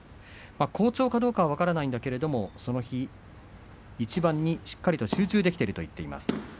好調かどうかは分からないけれどもその日一番にしっかりと集中できている、という話をしていました。